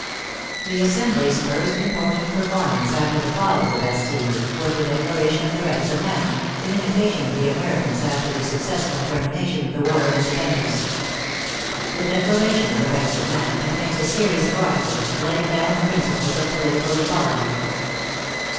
The Assembly's first important performance after the fall of the Bastille was the declaration of the Rights of Man, in imitation of the Americans after the successful termination of the War of Independence. The declaration of the Rights of Man contains a series of articles, laying down the principles of political equality.